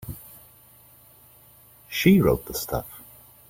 She wrote the stuff.